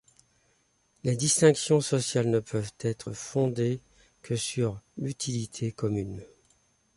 Les distinctions sociales ne peuvent être fondées que sur l’utilité commune.